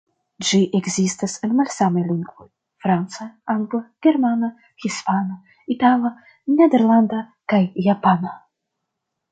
Ĝi ekzistas en malsamaj lingvoj: franca, angla, germana, hispana, itala, nederlanda kaj japana.